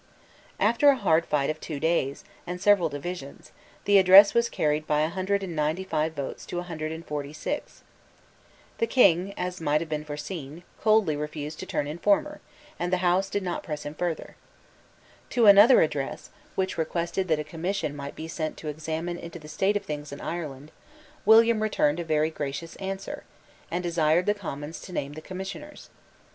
After a hard fight of two days, and several divisions, the address was carried by a hundred and ninety five votes to a hundred and forty six, The King, as might have been foreseen, coldly refused to turn informer; and the House did not press him further, To another address, which requested that a Commission might be sent to examine into the state of things in Ireland, William returned a very gracious answer, and desired the Commons to name the Commissioners.